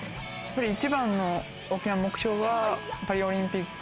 一番の大きな目標はパリオリンピック。